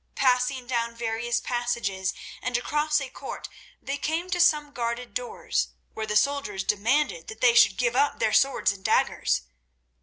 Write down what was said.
Passing down various passages and across a court they came to some guarded doors, where the soldiers demanded that they should give up their swords and daggers.